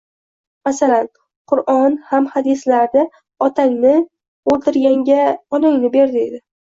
Masalan, Qur’on ham Hadislarda... otangni o‘ldirganga... onangni ber, deydi.